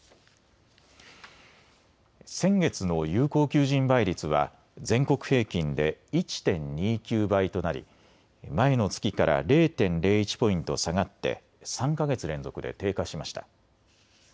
先月の有効求人倍率は全国平均で１．２９倍となり、前の月から０．０１ポイント下がって３か月連続で低下しました。